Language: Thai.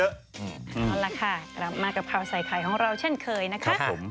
เอาล่ะค่ะกลับมากับข่าวใส่ไข่ของเราเช่นเคยนะคะ